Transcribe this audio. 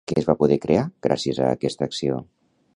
Què es va poder crear gràcies a aquesta acció?